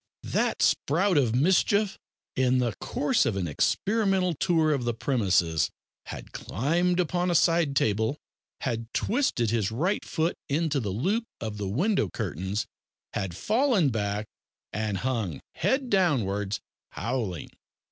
That sprout of mischief, in the course of an experimental tour of the premises, had climbed upon a side table, had twisted his right foot into the loop of the window curtains, had fallen back, and hung, head downwards, howling.